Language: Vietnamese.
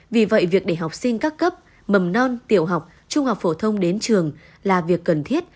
vì vậy việc để học sinh các cấp mầm non tiểu học trung học phổ thông đến trường là việc cần thiết